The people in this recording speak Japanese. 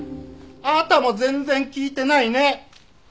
あなたも全然聞いてないね！